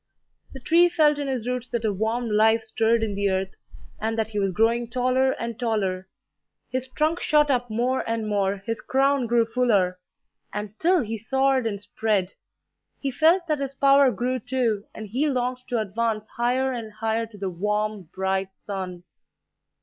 The tree felt in his roots that a warm life stirred in the earth, and that he was growing taller and taller; his trunk shot up more and more, his crown grew fuller; and still he soared and spread. He felt that his power grew, too, and he longed to advance higher and higher to the warm, bright sun.